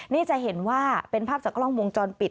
นี่จะเห็นว่าเป็นภาพจากกล้องวงจรปิด